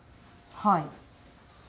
はい。